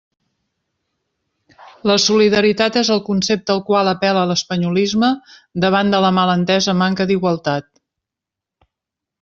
La solidaritat és el concepte al qual apel·la l'espanyolisme davant de la mal entesa manca d'igualtat.